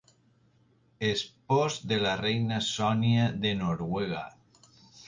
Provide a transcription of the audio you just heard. Espòs de la reina Sònia de Noruega.